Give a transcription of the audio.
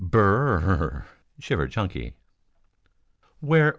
"Br r r r!" shivered Chunky.